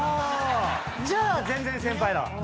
じゃあ全然先輩だわ。